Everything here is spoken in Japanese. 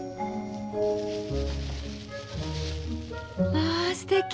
まあすてき！